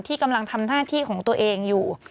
กำลังทำหน้าที่ของตัวเองอยู่